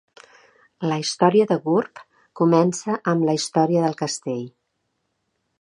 La història de Gurb comença amb la història del castell.